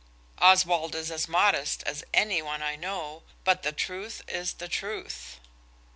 Oswald is as modest as any one I know, but the truth is the truth.